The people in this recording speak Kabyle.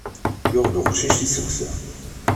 Yuɣ-d uqcic iselsa.